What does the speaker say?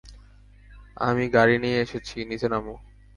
আমি গাড়ি নিয়ে এসেছি, নিচে নামো।